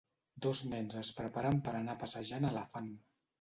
Dos nens es preparen per anar a passejar en elefant.